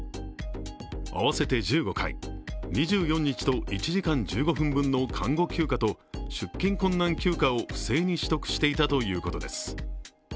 合わせて１５回、２４日と１時間１５分分の看護休暇と出勤困難休暇を不正に取得していたということです。